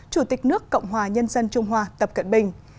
chủ tịch nước cộng hòa nhân dân trung hoa tập cận bình